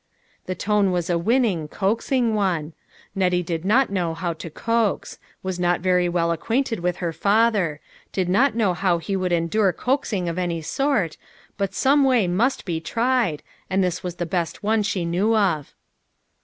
The tone was a winning, coaxing one. Nettie HOW IT SUCCEEDED. 123 did not know how to coax ; was not very well acquainted with her father ; did not know how he would endure coaxing of any sort, but some way must be tried, and this was the best one she knew of.